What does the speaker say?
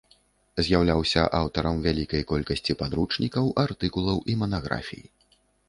З'яўляўся аўтарам вялікай колькасці падручнікаў, артыкулаў і манаграфій.